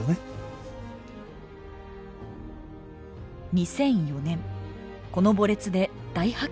２００４年この墓列で大発見がありました。